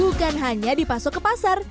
bukan hanya dipasok ke pasar